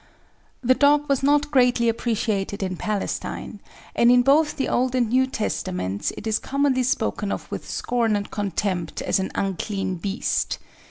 The dog was not greatly appreciated in Palestine, and in both the Old and New Testaments it is commonly spoken of with scorn and contempt as an "unclean beast."